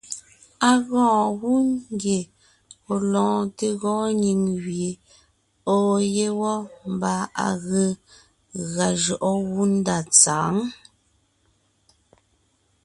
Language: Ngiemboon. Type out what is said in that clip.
Á gwoon gú ngie ɔ̀ lɔɔn te gɔɔn nyìŋ gẅie ɔ̀ɔ yé wɔ́ mbà à ge gʉa jʉɔʼɔ gú ndá tsǎŋ.